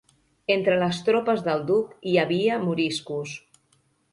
Entre les tropes del duc hi havia moriscos.